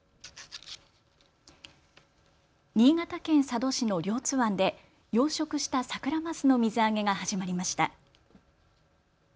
新潟県佐渡市の両津湾で養殖したサクラマスの水揚げが始まりました。